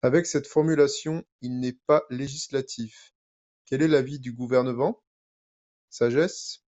Avec cette formulation, il n’est pas législatif ! Quel est l’avis du Gouvernement ? Sagesse.